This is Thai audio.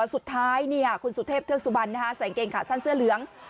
สุดท้ายคุณสุเทพเทือกสุบันใส่เกงขาสั้นเสื้อเหลือง